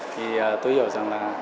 thì tôi hiểu rằng là